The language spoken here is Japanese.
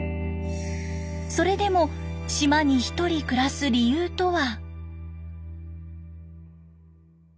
それでも島に一人暮らす理由とは？